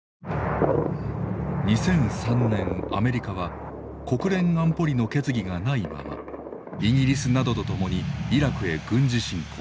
２００３年アメリカは国連安保理の決議がないままイギリスなどと共にイラクへ軍事侵攻。